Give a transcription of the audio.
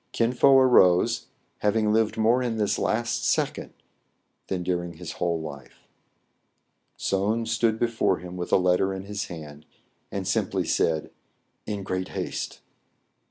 Kin Fo arose, having lived more in this last second than during his whole life. Soun stood before him, with a letter in his hand, and simply said, "In great haste."